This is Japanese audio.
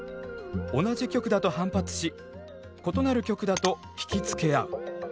同じ極だと反発し異なる極だと引き付け合う。